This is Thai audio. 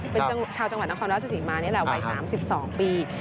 เป็นชาวจังหวัดนครราชศรีมานี่แหละวัย๓๒ปี